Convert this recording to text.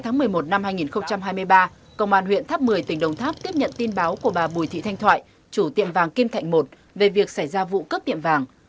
năm hai nghìn hai mươi ba công an huyện tháp một mươi tỉnh đông tháp tiếp nhận tin báo của bà bùi thị thanh thoại chủ tiệm vàng kim thạnh một về việc xảy ra vụ cướp tiệm vàng